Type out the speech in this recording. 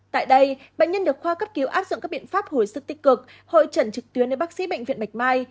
tại đây bệnh nhân được khoa cấp cứu áp dụng các biện pháp hồi sức tích cực hội trần trực tuyến với bác sĩ bệnh viện bạch mai